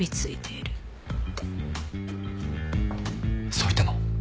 そう言ったの？